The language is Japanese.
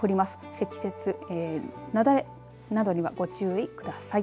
積雪、雪崩などにはご注意ください。